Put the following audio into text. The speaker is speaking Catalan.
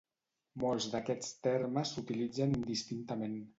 Molts d'aquests termes s'utilitzen indistintament.